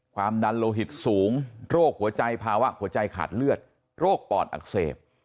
ความดันโลหิตสูงโรคหัวใจภาวะหัวใจขาดเลือดโรคปอดอักเสบ